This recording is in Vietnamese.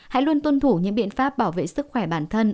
hãy luôn tuân thủ những biện pháp bảo vệ sức khỏe bản thân